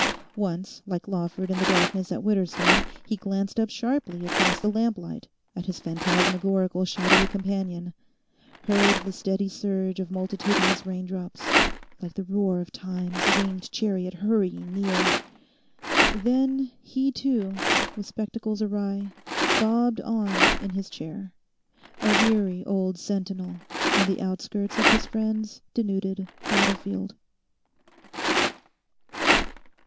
Once, like Lawford in the darkness at Widderstone, he glanced up sharply across the lamplight at his phantasmagorical shadowy companion, heard the steady surge of multitudinous rain drops, like the roar of Time's winged chariot hurrying near; then he too, with spectacles awry, bobbed on in his chair, a weary old sentinel on the outskirts of his friend's denuded battlefield.